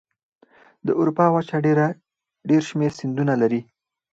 د اروپا وچه ډېر شمیر سیندونه لري.